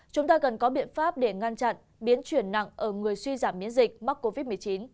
chúng ta cần có biện pháp để ngăn chặn biến chuyển nặng ở người suy giảm miễn dịch mắc covid một mươi chín